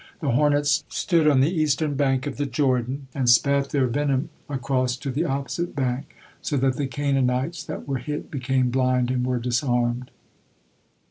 The hornets stood on the eastern bank of the Jordan, and spat their venom across to the opposite bank, so that the Canaanites that were hit became blind and were disarmed.